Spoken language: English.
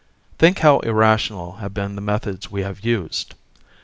Think how irrational have been the methods we have used!